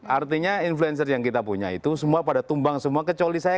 artinya influencer yang kita punya itu semua pada tumbang semua kecuali saya